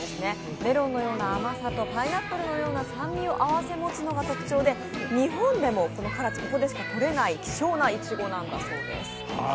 メロンのような甘さとパイナップルのような酸味を併せ持つのが特徴で日本でもここからでしかとれない希少ないちごです。